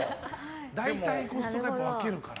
大体、コストコは分けるから。